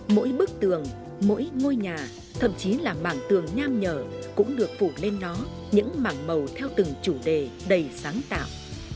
mỗi bức tường mỗi ngôi nhà thậm chí là mảng tường nham nhở cũng được phủ lên nó những mảng màu theo từng chủ đề đầy sáng tạo